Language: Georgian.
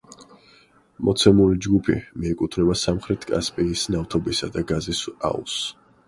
მოცემული ჯგუფი მიეკუთვნება სამხრეთ კასპიის ნავთობისა და გაზის აუზს.